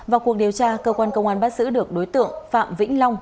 vào cuộc điều tra cơ quan công an bắt giữ được đối tượng phạm vĩnh long